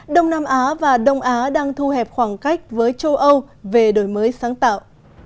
đông nam á và đông á đang thu hẹp khoảng cách với châu âu về đổi mới sáng tạo